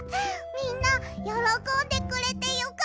みんなよろこんでくれてよかった！